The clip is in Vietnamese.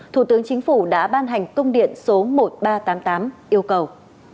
thủ tướng chính phủ đã ban hành công điện số một nghìn ba trăm tám mươi tám yêu cầu